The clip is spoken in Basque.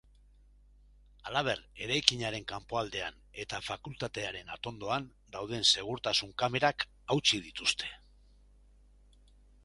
Halaber, eraikinaren kanpoaldean eta fakultatearen atondoan dauden segurtasun kamerak hautsi dituzte.